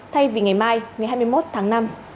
thay vì ngày mai ngày hai mươi một tháng năm